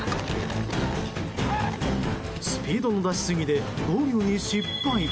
スピードの出しすぎで合流に失敗。